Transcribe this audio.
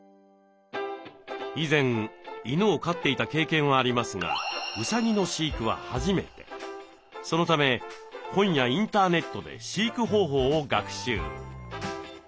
以前犬を飼っていた経験はありますがそのため本やインターネットで飼育方法を学習。